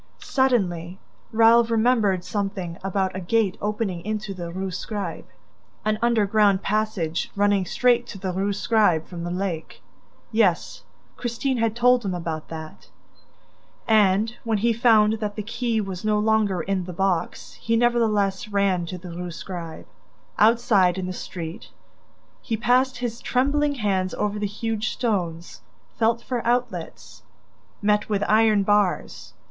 Suddenly, Raoul remembered something about a gate opening into the Rue Scribe, an underground passage running straight to the Rue Scribe from the lake ... Yes, Christine had told him about that... And, when he found that the key was no longer in the box, he nevertheless ran to the Rue Scribe. Outside, in the street, he passed his trembling hands over the huge stones, felt for outlets ... met with iron bars